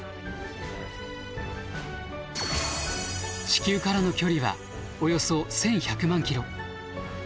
地球からの距離はおよそ１，１００万キロ。